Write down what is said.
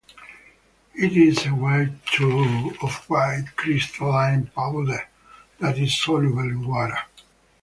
It is a white to off-white crystalline powder that is soluble in water.